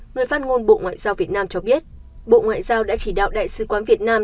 người phát ngôn bộ ngoại giao việt nam cho biết bộ ngoại giao đã chỉ đạo đại sứ quán việt nam